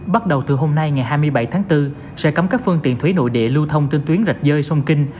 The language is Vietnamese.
bắt đầu từ hôm nay ngày hai mươi bảy tháng bốn sẽ cấm các phương tiện thủy nội địa lưu thông trên tuyến rạch dơi sông kinh